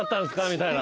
みたいな。